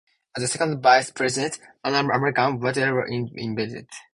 As the second vice president, another American, Wheeler was invited.